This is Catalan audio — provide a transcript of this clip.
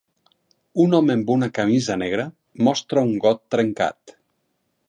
Un home amb una camisa negra mostra un got trencat.